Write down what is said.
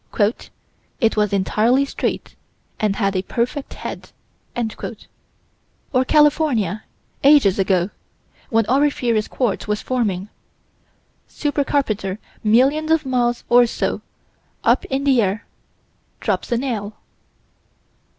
"It was entirely straight and had a perfect head." Or California ages ago, when auriferous quartz was forming super carpenter, million of miles or so up in the air drops a nail.